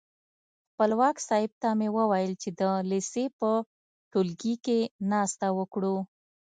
خپلواک صاحب ته مې وویل چې د لېسې په ټولګي کې ناسته وکړو.